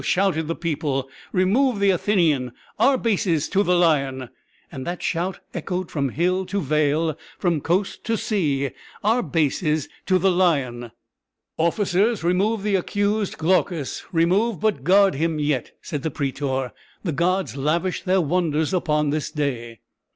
shouted the people; "remove the Athenian Arbaces to the lion." And that shout echoed from hill to vale from coast to sea Arbaces to the lion. "Officers, remove the accused Glaucus remove, but guard him yet," said the prætor. "The gods lavish their wonders upon this day."